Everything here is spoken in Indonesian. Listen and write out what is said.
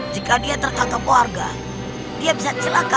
jika dia terkakak keluarga dia bisa celaka tuan